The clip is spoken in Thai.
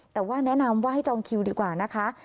แต่ว่าแนะนำว่าให้จองคิวดีกว่านะคะ